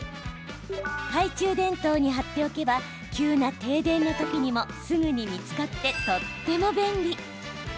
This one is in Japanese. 懐中電灯に貼っておけば急な停電の時にもすぐに見つかって、とっても便利。